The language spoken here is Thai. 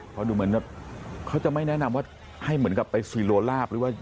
เพราะดูเหมือนแบบเขาจะไม่แนะนำว่าให้เหมือนกับไปซีโลลาบหรือว่า